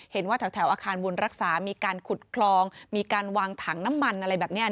เห็นว่าแถวอาคารบุญรักษามีการขุดคลองมีการวางถังน้ำมันอะไรแบบนี้